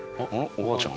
おばあちゃま。